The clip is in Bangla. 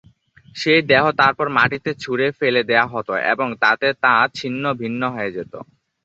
সেই দেহ তারপর মাটিতে ছুড়ে ফেলে দেয়া হত এবং তাতে তা ছিন্ন ভিন্ন হয়ে যেত।